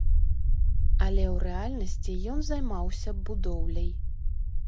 Але ў рэальнасці ён займаўся будоўляй.